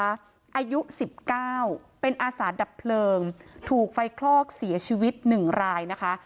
อายุ๑๙เป็นอาสาดับเพลิงถูกไฟคลอกเสียชีวิตหนึ่งรายนะคะ